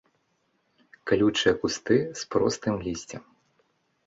Калючыя кусты з простым лісцем.